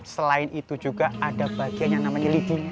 selain itu juga ada bagian yang namanya lidi